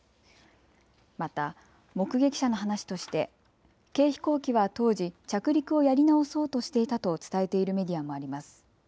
また目撃者の話として軽飛行機は当時、着陸をやり直そうとしていたと伝えているメディアもあります。